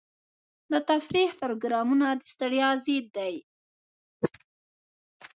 د تفریح پروګرامونه د ستړیا ضد دي.